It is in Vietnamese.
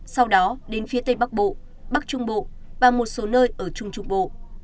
sau đó đến phía tây bắc bộ bắc trung bộ và một số nơi ở trung trung bộ